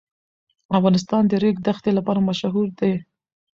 افغانستان د د ریګ دښتې لپاره مشهور دی.